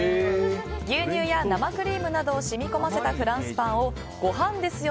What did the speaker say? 牛乳や生クリームなどを染み込ませたフランスパンをごはんですよ！